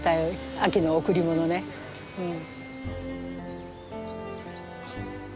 秋の贈りものねうん。